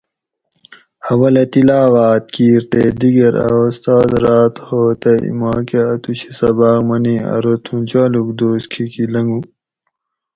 اولہ تِلاواٞت کِیر تے دِگیر اٞ اُستاد راٞت ہوتئ ماکٞہ اٞتُوشی سباٞق منی ارو تھُوں جالُوگ دوس کِھیکی لنگُو